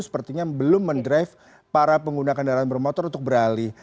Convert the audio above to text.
sepertinya belum mendrive para pengguna kendaraan bermotor untuk beralih